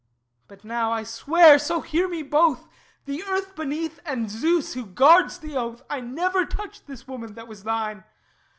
But now, I swear so hear me both, The Earth beneath and Zeus who Guards the Oath I never touched this woman that was thine!